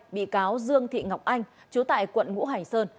bị cáo dương thị ngọc anh chú tại quận ngũ hành sơn